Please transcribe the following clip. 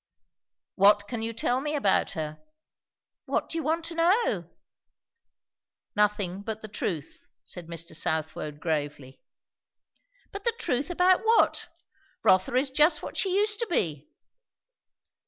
"What can you tell me about her?" "What do you want to know?" "Nothing but the truth," said Mr. Southwode gravely. "But the truth about what? Rotha is just what she used to be."